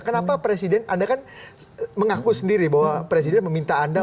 kenapa presiden anda kan mengaku sendiri bahwa presiden meminta anda